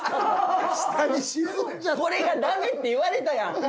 これがダメって言われたやん。